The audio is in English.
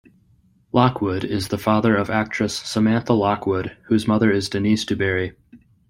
Lockwood is the father of actress Samantha Lockwood, whose mother is Denise DuBarry.